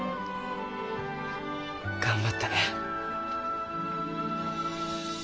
頑張ったね。